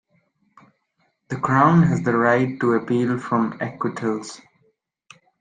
The Crown has the right to appeal from acquittals.